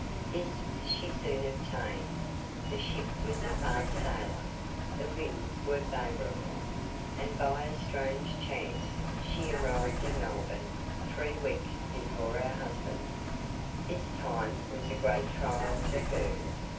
This she soon obtained. The ship was a fast sailer, the winds were favourable, and by a strange chance she arrived in Melbourne three weeks before her husband. This time was a great trial to her.